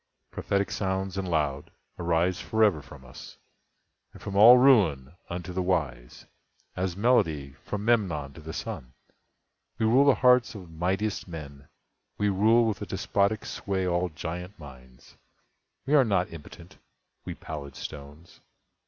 Prophetic sounds and loud, arise forever From us, and from all Ruin, unto the wise, As melody from Memnon to the Sun. We rule the hearts of mightiest men—we rule With a despotic sway all giant minds. We are not impotent—we pallid stones.